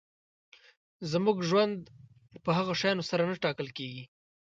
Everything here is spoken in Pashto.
زموږ ژوند په هغو شیانو سره نه ټاکل کېږي.